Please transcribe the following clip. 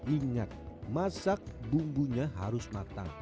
ingat masak bumbunya harus matang